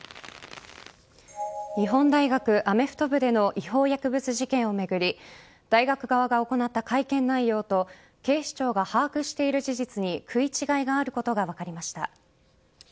日本大学アメフト部での違法薬物事件を巡り大学側が行った会見内容と警視庁が把握している事実に食い違いがあることが分かりました。